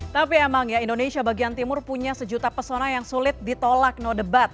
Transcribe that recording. tapi emang ya indonesia bagian timur punya sejuta persona yang sulit ditolak no debat